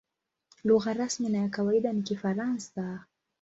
Lugha rasmi na ya kawaida ni Kifaransa.